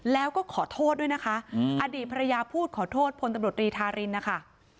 แล้วก็ขอโทษด้วยนะคะอดีตภรรยาพูดขอโทษพลตำรวจรีธารินนะคะ